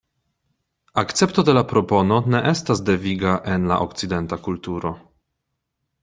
Akcepto de la propono ne estas deviga en la okcidenta kulturo.